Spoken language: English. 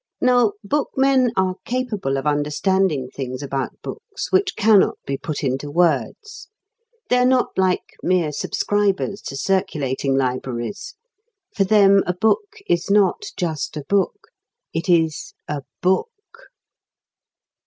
Now, bookmen are capable of understanding things about books which cannot be put into words; they are not like mere subscribers to circulating libraries; for them a book is not just a book it is a book.